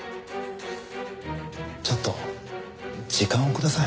ちょっと時間をください。